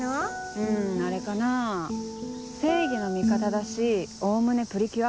うんあれかな正義の味方だしおおむねプリキュア。